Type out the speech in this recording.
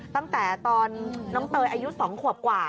ตั้งแต่ตอนน้องเตยอายุ๒ขวบกว่า